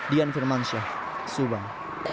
dian firmansyah subang